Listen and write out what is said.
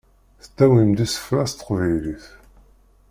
Tettawim-d isefra s teqbaylit.